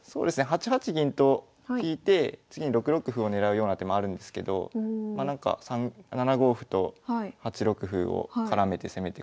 ８八銀と引いて次に６六歩を狙うような手もあるんですけどなんか７五歩と８六歩を絡めて攻めてこられる。